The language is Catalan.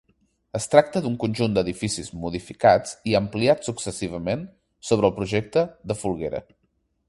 Es tracta d'un conjunt d'edificis modificats i ampliats successivament sobre el projecte de Folguera.